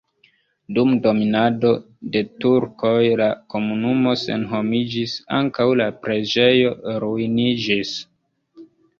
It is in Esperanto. Dum dominado de turkoj la komunumo senhomiĝis, ankaŭ la preĝejo ruiniĝis.